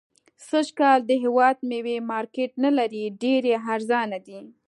سږ کال د هيواد ميوي مارکيټ نلري .ډيري ارزانه دي